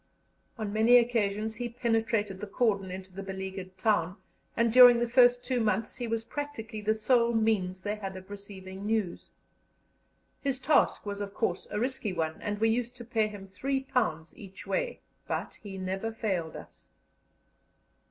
On many occasions he penetrated the cordon into the beleaguered town, and during the first two months he was practically the sole means they had of receiving news. His task was of course a risky one, and we used to pay him £3 each way, but he never failed us.